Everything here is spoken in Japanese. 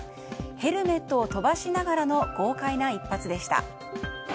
ヘルメットを飛ばしながらの豪快な一発でした。